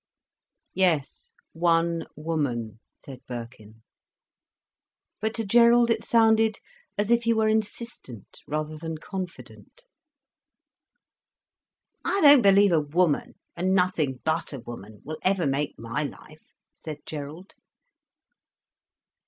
"Yes, one woman," said Birkin. But to Gerald it sounded as if he were insistent rather than confident. "I don't believe a woman, and nothing but a woman, will ever make my life," said Gerald.